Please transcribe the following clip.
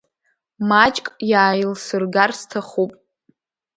Маҷк иааилсыргар сҭахуп.